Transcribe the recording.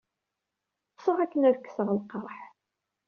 Ttesseɣ akken ad kkseɣ lqerḥ.